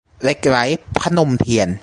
เหล็กไหล - พนมเทียน